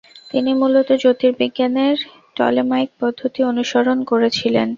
তিনি মূলত জ্যোতির্বিজ্ঞানের টলেমাইক পদ্ধতি অনুসরণ করেছিলেন।